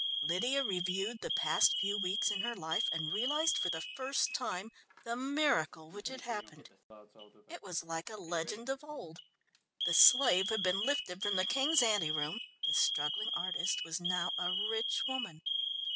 Lydia reviewed the past few weeks in her life, and realised, for the first time, the miracle which had happened. It was like a legend of old the slave had been lifted from the king's anteroom the struggling artist was now a rich woman.